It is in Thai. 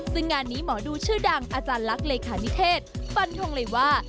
ซึ่งงานนี้หมอดูชื่อดังอาจารย์ลักษณ์เลขานิเทศฟันทงเลยว่า